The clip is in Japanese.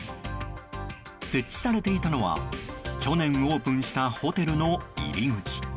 設置されていたのは去年オープンしたホテルの入り口。